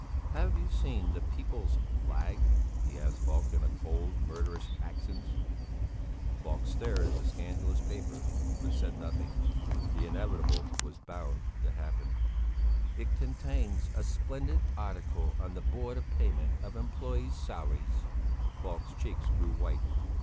"Have you seen the People's Flag?" he asked Falk in cold murderous accents. Falk stared at the scandalous paper but said nothing. The inevitable was bound to happen. "It contains a splendid article on the Board of Payment of Employés' Salaries." Falk's cheeks grew white.